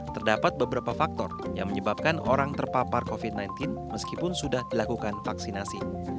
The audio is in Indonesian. terdapat beberapa faktor yang menyebabkan orang terpapar covid sembilan belas meskipun sudah dilakukan vaksinasi